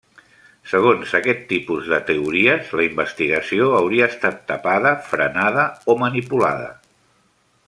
Segons aquest tipus de teories, la investigació hauria estat tapada, frenada o manipulada.